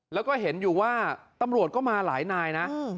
แล้วก็เห็นอยู่ว่าตำรวจก็มาหลายนายนะ